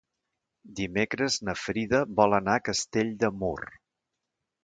Dimecres na Frida vol anar a Castell de Mur.